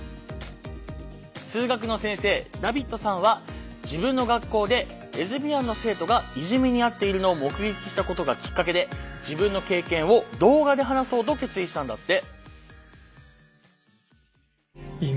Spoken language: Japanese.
数学の先生ダビッドさんは自分の学校でレズビアンの生徒がいじめに遭っているのを目撃したことがきっかけで自分の経験を動画で話そうと決意したんだって。